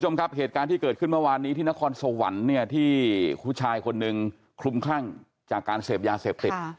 คุณผู้ชมครับเหตุการณ์ที่เกิดขึ้นเมื่อวานนี้ที่นครสวรรค์เนี่ยที่ผู้ชายคนหนึ่งคลุมคลั่งจากการเสพยาเสพติด